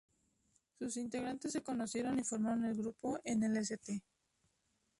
Sus integrantes se conocieron y formaron el grupo en el St.